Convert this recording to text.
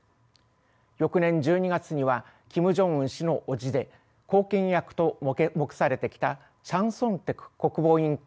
翌年１２月にはキム・ジョンウン氏の叔父で後見役と目されてきたチャン・ソンテク国防委員会